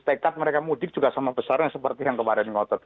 tekad mereka mudik juga sama besar yang seperti yang kepada yang ngotot